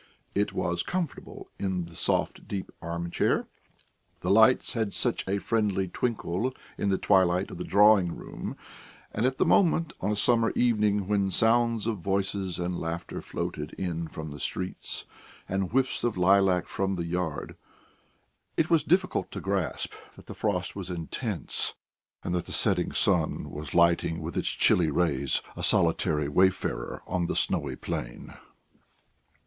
It was comfortable in the soft deep arm chair; the lights had such a friendly twinkle in the twilight of the drawing room, and at the moment on a summer evening when sounds of voices and laughter floated in from the street and whiffs of lilac from the yard, it was difficult to grasp that the frost was intense, and that the setting sun was lighting with its chilly rays a solitary wayfarer on the snowy plain.